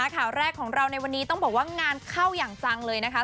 ข่าวแรกของเราในวันนี้ต้องบอกว่างานเข้าอย่างจังเลยนะคะ